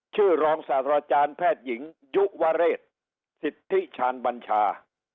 ชื่อรองศาสตราจานแพทยิงยุวะเรทสิทธิชาญบัญชา